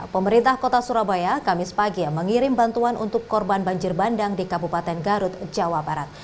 pemerintah kota surabaya kamis pagi mengirim bantuan untuk korban banjir bandang di kabupaten garut jawa barat